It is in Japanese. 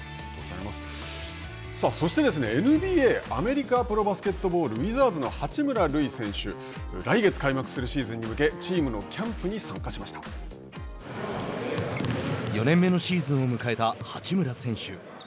そして、ＮＢＡ＝アメリカプロバスケットボールウィザーズの八村塁選手が来月開幕するシーズンに向け４年目のシーズンを迎えた八村選手。